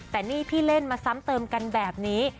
แต่นี่พี่เล่นมาซ้ำเติมกันแบบนี้